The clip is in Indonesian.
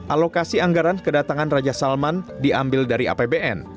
alokasi anggaran kedatangan raja salman diambil dari apbn